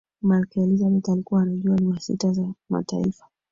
malikia elizabeth alikuwa anajua lugha sita za mataifa